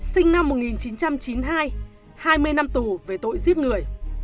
sinh năm một nghìn chín trăm chín mươi hai hai mươi năm tù về tội giết người